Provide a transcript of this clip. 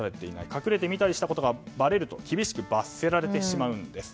隠れて見たことがばれると厳しく罰せられてしまうんです。